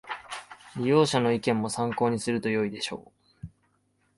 利用者の意見も参考にするとよいでしょう